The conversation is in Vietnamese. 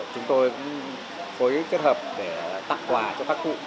chúng tôi cũng phối kết hợp để tặng quà cho các cụ